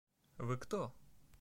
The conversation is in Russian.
– Вы кто?